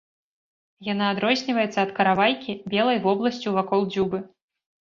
Яна адрозніваецца ад каравайкі белай вобласцю вакол дзюбы.